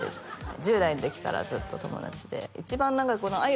１０代の時からずっと友達で一番長い